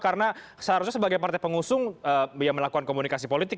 karena seharusnya sebagai partai pengusung beliau melakukan komunikasi politik